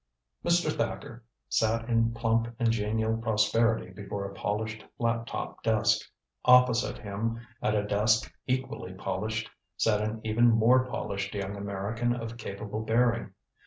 Mr. Thacker sat in plump and genial prosperity before a polished flat top desk. Opposite him, at a desk equally polished, sat an even more polished young American of capable bearing.